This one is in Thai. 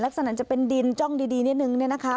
ลักษณะจะเป็นดินจ้องดีนิดนึงเนี่ยนะคะ